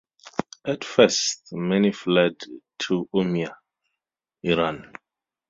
At first, many fled to Urmia, Iran.